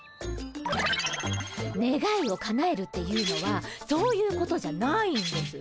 あねがいをかなえるっていうのはそういうことじゃないんです。